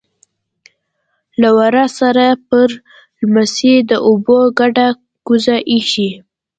لهٔ ورهٔ سره پر لیمڅي د اوبو ډکه کوزه ایښې.